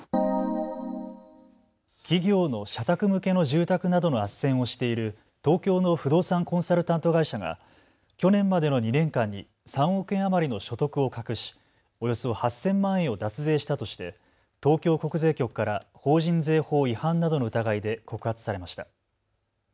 企業の社宅向けの住宅などのあっせんをしている東京の不動産コンサルタント会社が去年までの２年間に３億円余りの所得を隠しおよそ８０００万円を脱税したとして東京国税局から法人税法違反などの疑いで告発されました。